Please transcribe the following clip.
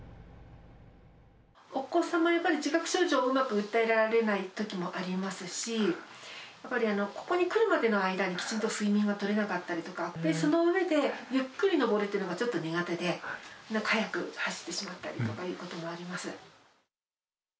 お子様はやっぱり自覚症状をうまく訴えられないときもありますし、やっぱりここに来るまでの間に、きちんと睡眠がとれなかったりとか、その上で、ゆっくり登るというのがちょっと苦手で、速く走ってしまったりとかいうこともあります。